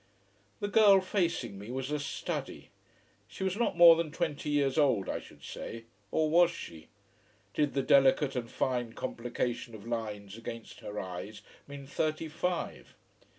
The girl facing me was a study. She was not more than twenty years old I should say: or was she? Did the delicate and fine complication of lines against her eyes mean thirty five?